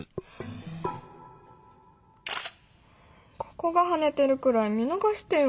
ここがハネてるくらい見逃してよ